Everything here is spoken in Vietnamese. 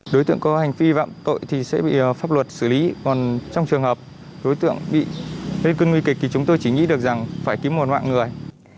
đối tượng có hành phi vạm tội thì sẽ bị pháp luật xử lý còn trong trường hợp đối tượng bị lên cơn nguy kịch thì chúng tôi chỉ nghĩ được rằng phải cứu một mạng người